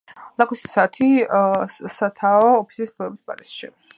ლაკოსტის სათაო ოფისი მდებარეობს პარიზში.